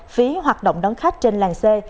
phí hoạt động đón khách trên làng xe